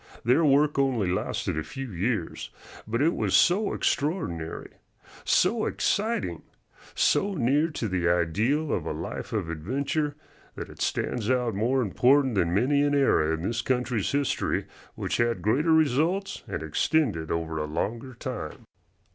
Their work only lasted a few years, but it was so extraordinary, so exciting, so near to the ideal of a life of adventure, that it stands out more important than many an era in this country's history which had greater results and extended over a longer time.